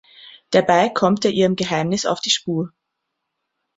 Dabei kommt er ihrem Geheimnis auf die Spur.